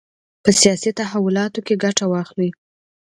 په سیاسي تحولاتو کې ګټه واخلي.